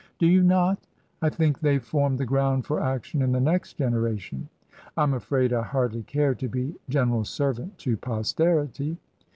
" Do you not ? I think they form the ground for action in the next generation." "I'm afraid I hardly care to be general servant to posterity."